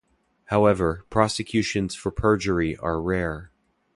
However, prosecutions for perjury are rare.